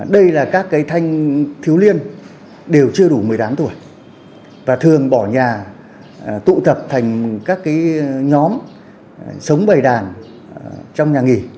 đây là các thanh thiếu niên đều chưa đủ một mươi tám tuổi và thường bỏ nhà tụ tập thành các nhóm sống bày đàn trong nhà nghỉ